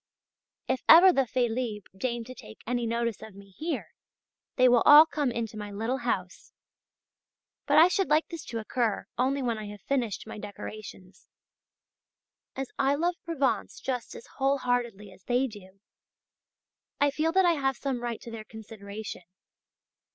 If ever the "Félibres" deign to take any notice of me here, they will all come into my little house. But I should like this to occur only when I have finished my decorations. As I love Provence just as whole heartedly as they do, I feel that I have some right to their consideration.